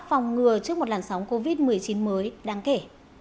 phòng ngừa trước một làn sóng covid một mươi chín mới đáng kể